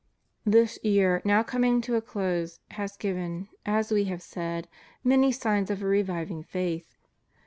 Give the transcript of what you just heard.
This year, now coming to a close, has given, as We have said, many signs of a reviving faith.